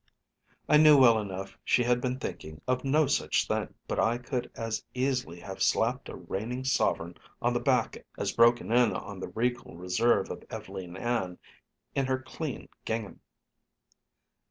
I knew well enough she had been thinking of no such thing, but I could as easily have slapped a reigning sovereign on the back as broken in on the regal reserve of Ev'leen Ann in her clean gingham.